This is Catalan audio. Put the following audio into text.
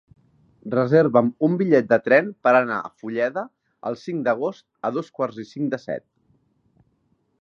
Reserva'm un bitllet de tren per anar a Fulleda el cinc d'agost a dos quarts i cinc de set.